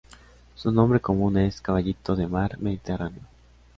Su nombre común es Caballito de mar mediterráneo.